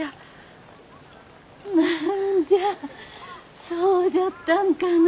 何じゃそうじゃったんかな。